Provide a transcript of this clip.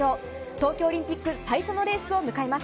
東京オリンピック最初のレースを迎えます。